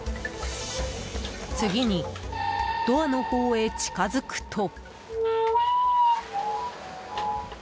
次に、ドアのほうへ近づくと。